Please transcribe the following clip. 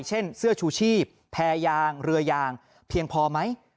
เช่นเสื้อชูชีพแพรยางเรือยางเพียงพอไหม